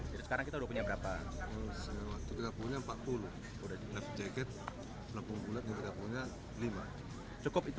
jadi sekarang kalau berangkat sudah harus pakai elem jaket